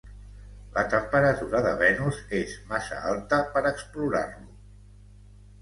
La temperatura de Venus és massa alta per explorar-lo.